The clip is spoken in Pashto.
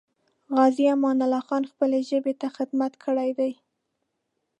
غازي امان الله خان خپلې ژبې ته خدمت کړی دی.